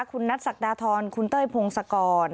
คุณนัทศักดาทรคุณเต้ยพงศกร